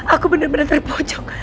aku benar benar terpucuk